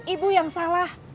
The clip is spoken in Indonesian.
ibu yang salah